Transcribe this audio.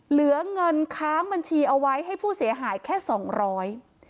เหลือเงินค้างบัญชีเอาไว้ให้ผู้เสียหายแค่สองร้อย